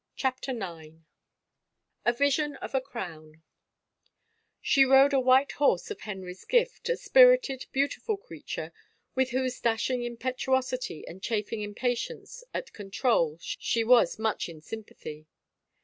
CHAPTER IX A VISION OF A CROWN [E rode a white horse of Henry's gift, a spirited, beautiful creature, with whose dashing impetu osity and chafing impatience at control she was much in s)rmpathy.